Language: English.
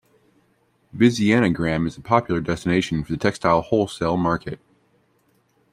Vizianagaram is a popular destination for the textile wholesale market.